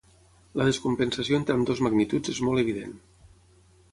La descompensació entre ambdues magnituds és molt evident.